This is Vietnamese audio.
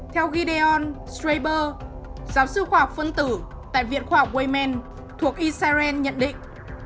theo gideon straber giáo sư khoa học phân tử tại viện khoa học wayman thuộc israel nhận định